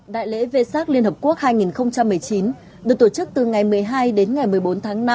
đại lễ v sac liên hợp quốc hai nghìn một mươi chín được tổ chức từ ngày một mươi hai đến ngày một mươi bốn tháng năm